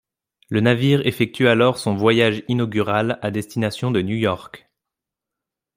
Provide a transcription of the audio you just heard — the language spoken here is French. Le navire effectue alors son voyage inaugural à destination de New York.